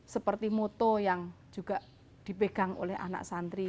seperti moto yang juga dipegang oleh anak santri